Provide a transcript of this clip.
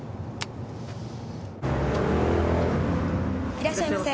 いらっしゃいませ。